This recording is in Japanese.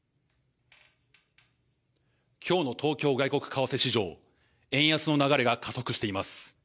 きょうの東京外国為替市場、円安の流れが加速しています。